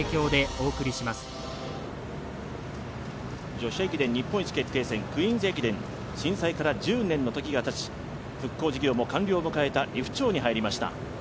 女子駅伝日本一決定戦、クイーンズ駅伝、震災から１０年の時が経ち、復興事業も完了を迎えた利府町に入りました。